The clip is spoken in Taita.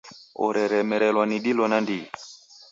Orelemerelwa ni dilo nandighi.